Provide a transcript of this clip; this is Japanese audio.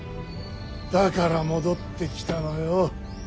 だから戻ってきたのよ。